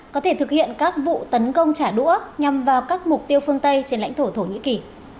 có thể thực hiện các vụ tấn công trả đũa nhằm vào các mục tiêu phương tây trên lãnh thổ thổ nhĩ kỳ